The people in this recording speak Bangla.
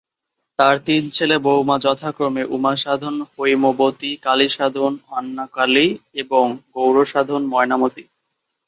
তার তিন ছেলে-বৌমা যথাক্রমে উমাসাধন-হৈমবতী, কালীসাধন-আন্নাকালি এবং গৌড়সাধন-ময়নামতি।